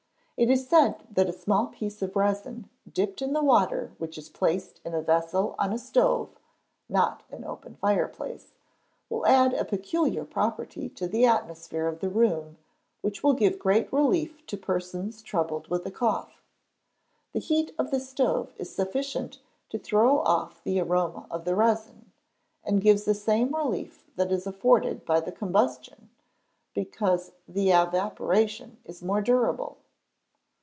It is said that a small piece of resin dipped in the water which is placed in a vessel on a stove (not an open fireplace), will add a peculiar property to the atmosphere of the room which will give great relief to persons troubled with a cough. The heat of the stove is sufficient to throw off the aroma of the resin, and gives the same relief that is afforded by the combustion, because the evaporation is more durable.